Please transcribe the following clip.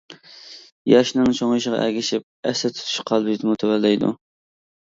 ياشنىڭ چوڭىيىشىغا ئەگىشىپ ئەستە تۇتۇش قابىلىيىتىمۇ تۆۋەنلەيدۇ.